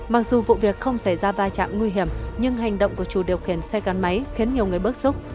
mặc dù vụ việc không xảy ra vai trạng nguy hiểm nhưng hành động của chủ điều khiển xe gắn máy khiến nhiều người bớt sức